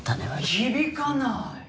「響かない！」